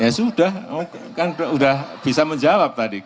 ya sudah kan sudah bisa menjawab tadi